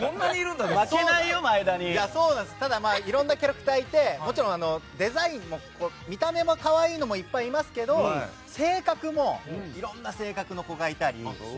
いろんなキャラクターがいてもちろんデザインも、見た目も可愛いのもいっぱいいますけど性格もいろんな性格の子がいたり。